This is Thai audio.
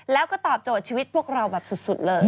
แล้วก็ตอบโจทย์ชีวิตพวกเราแบบสุดเลย